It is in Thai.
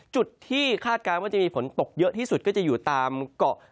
จุดที่คาดการณ์ว่าจะมีฝนตกเยอะที่สุดก็จะอยู่ตามเกาะ